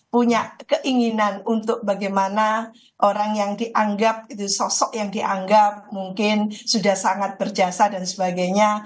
punya keinginan untuk bagaimana orang yang dianggap itu sosok yang dianggap mungkin sudah sangat berjasa dan sebagainya